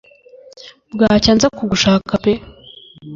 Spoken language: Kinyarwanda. Bwacya nza kugushaka pee